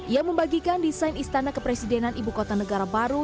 ia membagikan desain istana kepresidenan ibu kota negara baru